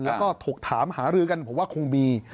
แล้วก็ถกถามหารือกันผมว่าคงมี